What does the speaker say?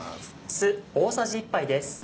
酢大さじ１杯です。